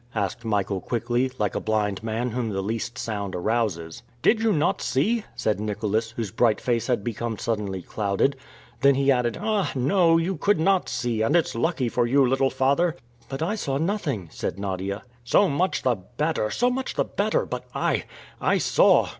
asked Michael quickly, like a blind man whom the least sound arouses. "Did you not see?" said Nicholas, whose bright face had become suddenly clouded. Then he added, "Ah! no! you could not see, and it's lucky for you, little father!" "But I saw nothing," said Nadia. "So much the better! So much the better! But I I saw!"